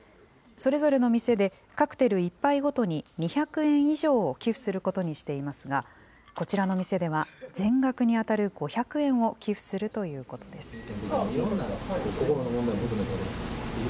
それぞれの店で、カクテル１杯ごとに２００円以上を寄付することにしていますが、こちらの店では、全額に当たる５００円を寄付するということです。